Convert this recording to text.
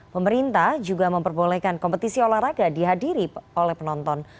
pemerintah juga memperbolehkan kompetisi olahraga dihadiri oleh penonton